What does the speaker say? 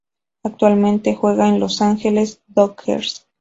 Actualmente juega en los Los Ángeles Dodgers.